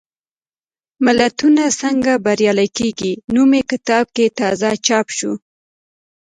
ملتونه څنګه بریالي کېږي؟ نومي کتاب تازه چاپ شو.